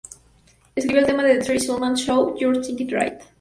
Escribió el tema de The Tracey Ullman Show "You're Thinking Right".